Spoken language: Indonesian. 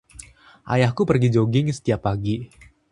Ayahku pergi joging setiap pagi.